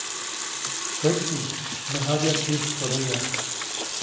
Tsätsi, mnäjabyaʼt yäskodoyaʼ.